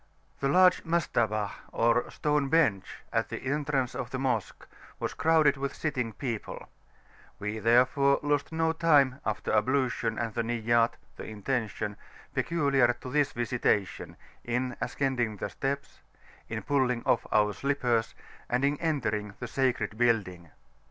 The large Mastabah or stone bench at the entrance of the Mosque was crowded with sitting people: we therefore lost no time, after ablution and the Niyat ("the Intention") peculiar to this Visitation, in ascending the steps, in pulling off our slippers, and in entering the sacred building.